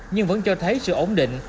nhưng vẫn cho thấy sự ổn định